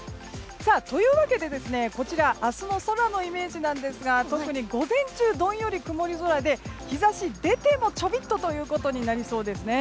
というわけで、こちら明日の空のイメージなんですが特に午前中どんより曇り空で日差し、出てもちょびっとということになりそうです。